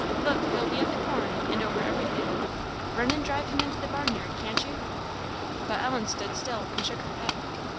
Look! he'll be at the corn, and over every thing. Run and drive him into the barnyard, can't you?" But Ellen stood still, and shook her head.